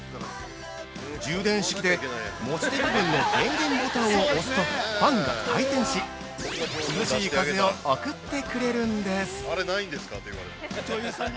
充電式で、持ち手部分の電源ボタンを押すとファンが回転し、涼しい風を送ってくれるんです！